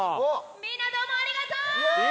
みんなどうもありがとう！